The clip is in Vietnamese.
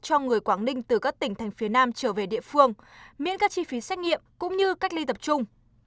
cho người quảng ninh từ các tỉnh thành phía nam trở về địa phương miễn các chi phí xét nghiệm cũng như cách ly tập trung